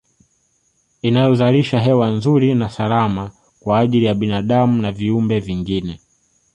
Inayozalisha hewa nzuri na salama kwa ajili ya binadamu na viumbe vingine